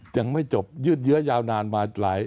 ยังไม่จบยืดเยื้อยาวนานมาหลาย